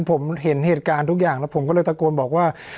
ผมเห็นเหตุการณ์ทุกอย่างแล้วผมก็เลยตะโกนบอกว่า